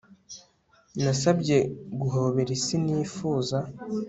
nasabye, guhobera isi nifuza